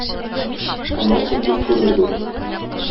Аннан соң күз күрер, - ди.